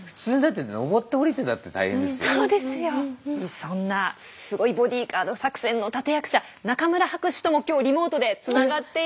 そんなすごいボディーガード作戦の立て役者中村博士とも今日リモートでつながっているんです。